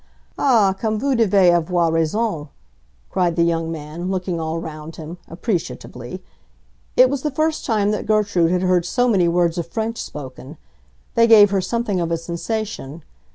"Ah, comme vous devez avoir raison!" cried the young man, looking all round him, appreciatively. It was the first time that Gertrude had heard so many words of French spoken. They gave her something of a sensation.